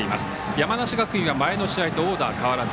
山梨学院は前の試合とオーダー変わらず。